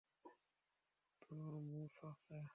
তার মোচ আছে।